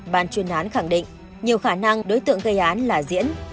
ban chuyên án khẳng định nhiều khả năng đối tượng gây án là diễn